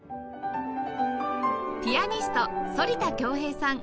ピアニスト反田恭平さん